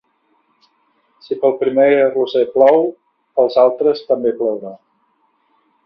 Si pel primer Roser plou, pels altres també plourà.